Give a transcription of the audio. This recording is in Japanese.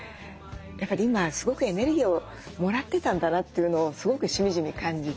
やっぱり今すごくエネルギーをもらってたんだなというのをすごくしみじみ感じて。